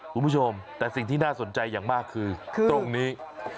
คุณผู้ชมแต่สิ่งที่น่าสนใจอย่างมากคือตรงนี้